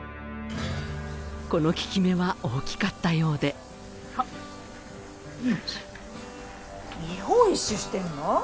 この効き目は大きかったようで日本一周してんの？